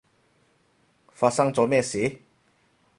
發生咗咩事？